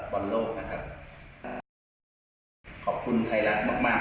บรรโลกนะครับขอบคุณไทยรัฐมากนะครับ